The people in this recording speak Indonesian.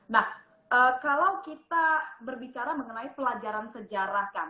nah kalau kita berbicara mengenai pelajaran sejarah kang